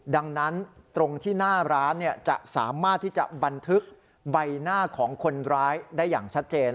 ดังนั้นตรงที่หน้าร้านจะสามารถที่จะบันทึกใบหน้าของคนร้ายได้อย่างชัดเจน